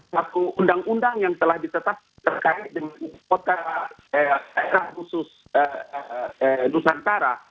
satu undang undang yang telah ditetap terkait dengan kota kota khusus nusantara